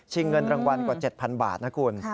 เงินรางวัลกว่า๗๐๐บาทนะคุณ